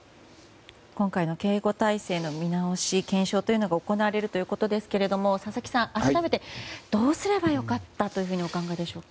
今回の警護態勢の見直し検証というのが行われるということですけれども佐々木さん、改めてどうすれば良かったとお考えでしょうか。